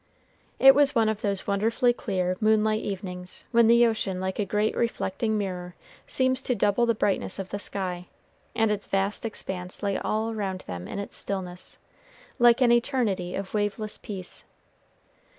It was one of those wonderfully clear moonlight evenings, when the ocean, like a great reflecting mirror, seems to double the brightness of the sky, and its vast expanse lay all around them in its stillness, like an eternity of waveless peace.